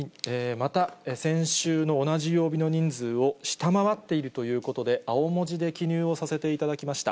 また先週の同じ曜日の人数を下回っているということで、青文字で記入をさせていただきました。